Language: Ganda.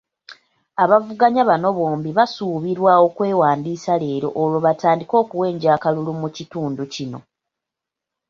Abavuganya bano bombi basuubirwa okwewandiisa leero olwo batandike okuwenja akalulu mu kitundu kino.